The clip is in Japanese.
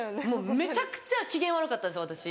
めちゃくちゃ機嫌悪かったんですよ私。